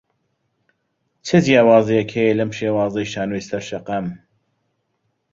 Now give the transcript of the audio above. چ جیاوازییەک هەیە لەم شێوازەی شانۆی سەر شەقام؟